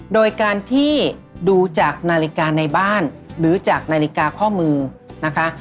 โดยการที่ดูจากนาฬิกาในบ้านหรือจากนาฬิกาข้อมือนะคะ